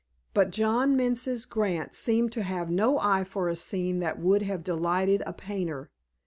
But John Menzies Grant seemed to have no eye for a scene that would have delighted a painter.